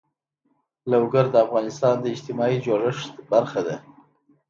لوگر د افغانستان د اجتماعي جوړښت برخه ده.